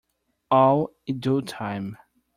All in due time.